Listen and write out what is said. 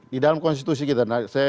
di dalam konstitusi kita